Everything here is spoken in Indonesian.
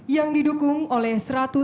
yang didukung oleh